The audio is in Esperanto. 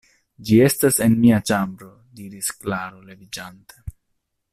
Ĝi estas en mia ĉambro diris Klaro leviĝante.